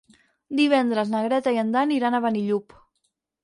Divendres na Greta i en Dan iran a Benillup.